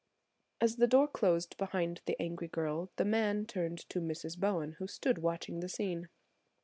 As the door closed behind the angry girl the man turned to Mrs. Bowen, who stood watching the scene.